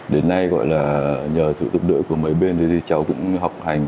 đến nay gọi là nhờ sự tục đội của mấy bên thì cháu cũng học hành